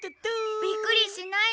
えっびっくりしないの？